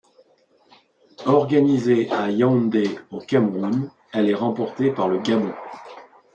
Organisée à Yaoundé au Cameroun, elle est remportée par le Gabon.